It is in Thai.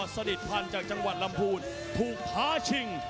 สนิทพันธ์จากจังหวัดลำพูนถูกท้าชิง